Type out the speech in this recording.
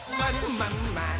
まんまる。